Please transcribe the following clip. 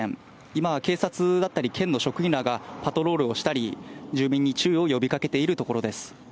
今は警察だったり、県の職員らがパトロールをしたり、住民に注意を呼びかけている所です。